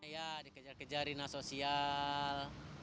ya dikejar kejar dinas sosial